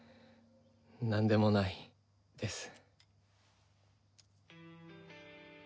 なんでもないです。